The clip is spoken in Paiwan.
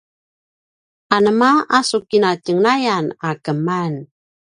anema a su kinatjenglayan a keman?